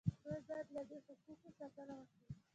دوی باید له دې حقوقو ساتنه وکړي.